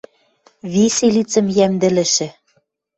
Виселицӹм йӓмдӹлӹшӹ...